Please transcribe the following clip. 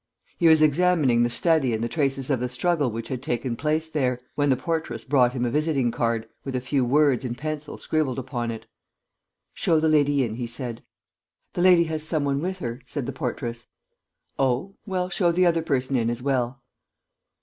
He was examining the study and the traces of the struggle which had taken place there, when the portress brought him a visiting card, with a few words in pencil scribbled upon it. "Show the lady in," he said. "The lady has some one with her," said the portress. "Oh? Well, show the other person in as well."